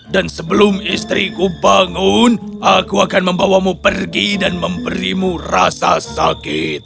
dan sebelum istriku bangun aku akan membawamu pergi dan memberimu rasa sakit